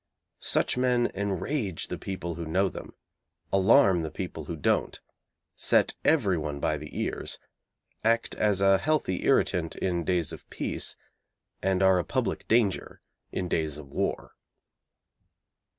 Such men enrage the people who know them, alarm the people who don't, set every one by the ears, act as a healthy irritant in days of peace, and are a public danger in days of war.